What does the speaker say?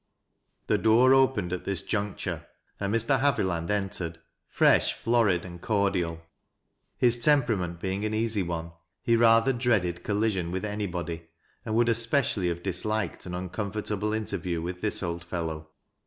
The door opened at this juncture, and Mr. Havilaud entered — fresh, florid and cordiaL His temperament be ing an easy one, he rather dreaded collision with anybody, and would especially have disliked an uncomfortable interview with this old fellow.